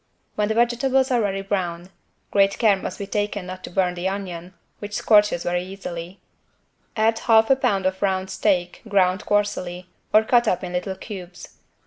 When the vegetables are very brown (great care must be taken not to burn the onion, which scorches very easily) add 1/2 lb. round steak ground coarsely or cut up in little cubes.